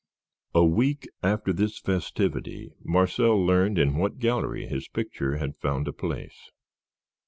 A week after this festivity Marcel learned in what gallery his picture had found a place.